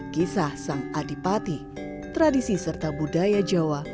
kisah sang adipati tradisi serta budaya jawa